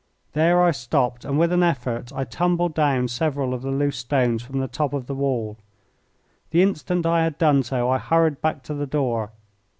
There I stopped, and with an effort I tumbled down several of the loose stones from the top of the wall. The instant I had done so I hurried back to the door.